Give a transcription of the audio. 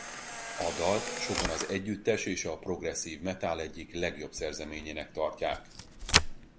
A dalt sokan az együttes és a progresszív metál egyik legjobb szerzeményének tartják.